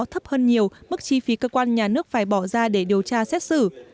thấp hơn nhiều mức chi phí cơ quan nhà nước phải bỏ ra để điều tra xét xử